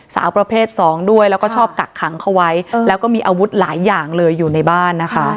สาวประเภทสองด้วยแล้วก็ชอบกักขังเขาไว้แล้วก็มีอาวุธหลายอย่างเลยอยู่ในบ้านนะคะ